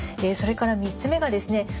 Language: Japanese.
それから３つ目がですね